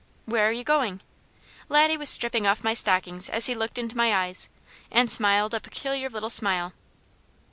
"Where are you going?" Laddie was stripping off my stockings as he looked into my eyes, and smiled a peculiar little smile.